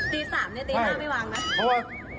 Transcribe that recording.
ตี๓เนี่ยตี๕ไม่วางนะ